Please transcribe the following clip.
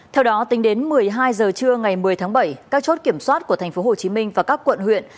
theo đó tính đến một mươi hai giờ trưa ngày một mươi tháng bảy các chốt kiểm soát của tp hcm và các quận huyện